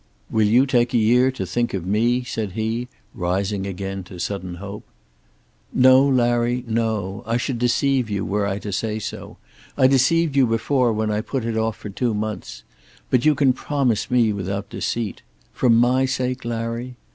"Will you take a year to think of me?" said he, rising again to sudden hope. "No, Larry, no. I should deceive you were I to say so. I deceived you before when I put it off for two months. But you can promise me without deceit. For my sake, Larry?"